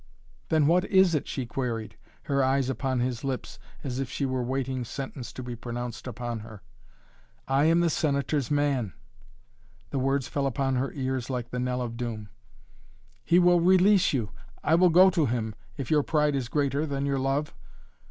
"Then what is it?" she queried, her eyes upon his lips as if she were waiting sentence to be pronounced upon her. "I am the Senator's man!" The words fell upon her ears like the knell of doom. "He will release you! I will go to him if your pride is greater, than your love."